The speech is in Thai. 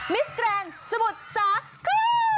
มิสแกรนด์สมุทรสาคือ